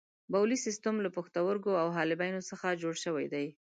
بولي سیستم له پښتورګو او حالبینو څخه جوړ شوی دی.